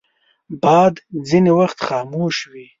باد ځینې وخت خاموش وي